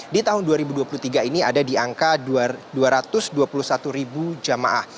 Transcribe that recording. di tahun dua ribu dua puluh tiga ini ada di angka dua ratus dua puluh satu ribu jamaah